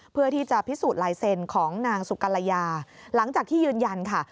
เพื่อที่จะพิสูจน์ลายเซ็นต์ของนางสุกรยาหลังจากที่ยืนยันค่ะ